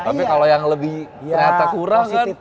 tapi kalau yang lebih ternyata kurang sih